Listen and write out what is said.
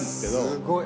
すごい。